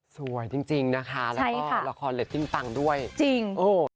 สวยจริงนะคะแล้วก็ละครเล็กติ้งปังด้วยโอ้ใช่ค่ะจริง